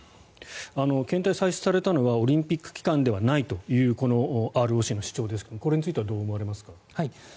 検体、採取されたのがオリンピック期間ではないというこのＲＯＣの主張ですがこれについてはどう思われますか？